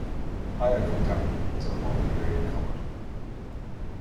Hyakutake is a long-period comet.